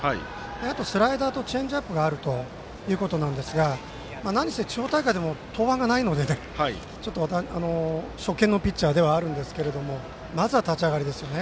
あと、スライダーとチェンジアップがあるということなんですが何せ、地方大会でも登板がないのでちょっと初見のピッチャーではあるんですけどまずは、立ち上がりですよね。